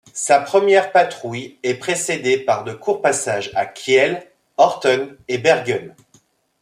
Sa première patrouille est précédée par de courts passages à Kiel, Horten et Bergen.